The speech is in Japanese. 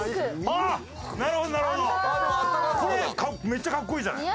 めっちゃかっこいいじゃない。